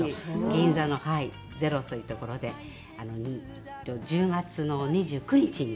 銀座のゼロという所で１０月の２９日に。